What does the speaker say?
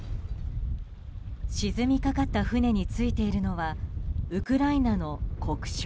沈みかかった船についているのはウクライナの国章。